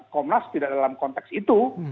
komnas tidak dalam konteks itu